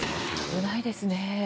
危ないですね。